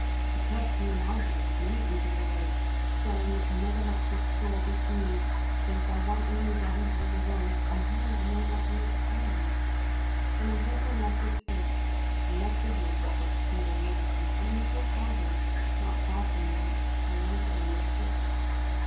She cursed me loudly, with many evil words, swearing that never might this sore be healed, save by one only damsel in the world, and her I know not where to find. When I heard my luckless fate I left the wood with what speed I might, and coming to a harbour, not far from thence, I lighted on this ship.